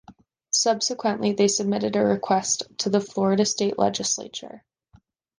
Subsequently, they submitted a request to the Florida State Legislature.